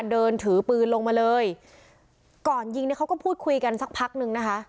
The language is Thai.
เดินถือปืนลงมาเลยก่อนยิงเนี่ยเขาก็พูดคุยกันสักพักนึงนะคะ